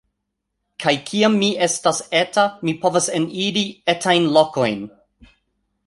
Kaj kiam mi estas eta, mi povas eniri etajn lokojn.